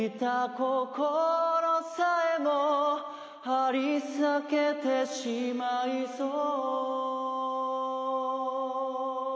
「はりさけてしまいそう」